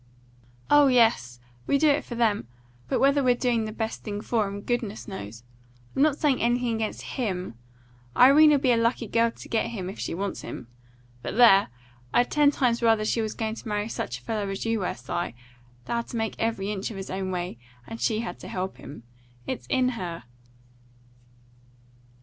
"Oh yes, we do it for them. But whether we're doing the best thing for 'em, goodness knows. I'm not saying anything against HIM. Irene'll be a lucky girl to get him, if she wants him. But there! I'd ten times rather she was going to marry such a fellow as you were, Si, that had to make every inch of his own way, and she had to help him. It's in her!"